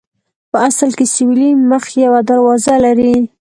په اصل کې سویلي مخ یوه دروازه لري.